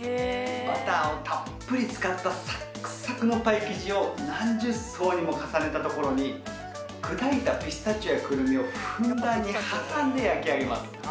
バターをたっぷり使ったサックサクのパイ生地を何十層にも重ねたところにくだいたピスタチオやくるみをふんだんに挟んで焼き上げます。